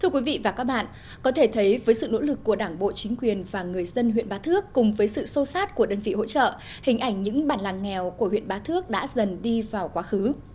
thưa quý vị và các bạn có thể thấy với sự nỗ lực của đảng bộ chính quyền và người dân huyện bá thước cùng với sự sâu sát của đơn vị hỗ trợ hình ảnh những bản làng nghèo của huyện bá thước đã dần đi vào quá khứ